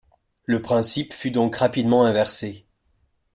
Le principe fut donc rapidement inversé.